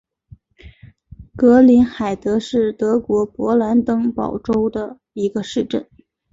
格林海德是德国勃兰登堡州的一个市镇。